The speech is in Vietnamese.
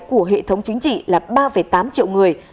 của hệ thống chính trị là ba tám triệu người